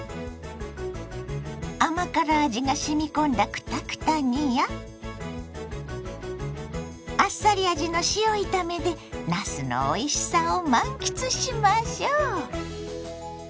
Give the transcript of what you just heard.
甘辛味がしみ込んだクタクタ煮やあっさり味の塩炒めでなすのおいしさを満喫しましょ。